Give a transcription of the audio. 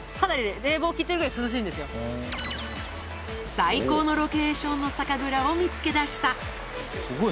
最高のロケーションの酒蔵を見つけ出したすごい。